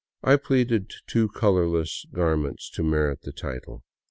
I pleaded too colorless gar ments to merit the title.